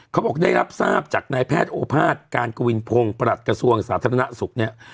เขาบอกได้รับทราบจากนายแพทย์โอภาษย์การกวินพงศ์ประหลัดกระทรวงสาธารณสุขเนี่ย